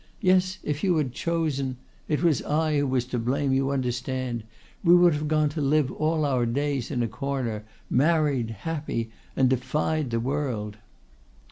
Yes, if you had chosen'—it was I who was to blame, you understand—'we would have gone to live all our days in a corner, married, happy, and defied the world.